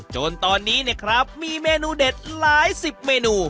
จนตอนนี้เนี่ยครับมีเมนูเด็ดหลายสิบเมนู